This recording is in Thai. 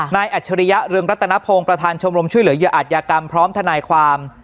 อัจฉริยะเรืองรัตนพงศ์ประธานชมรมช่วยเหลือเหยื่ออาจยากรรมพร้อมทนายความ